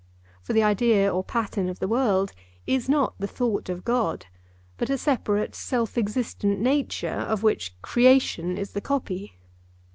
For the idea or pattern of the world is not the thought of God, but a separate, self existent nature, of which creation is the copy.